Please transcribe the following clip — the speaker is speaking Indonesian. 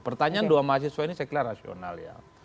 pertanyaan doa mahasiswa ini sekedar rasional ya